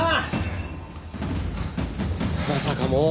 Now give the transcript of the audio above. まさかもう。